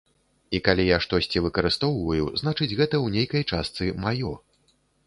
І калі я штосьці выкарыстоўваю, значыць гэта, ў нейкай частцы, маё.